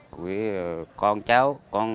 của con cháu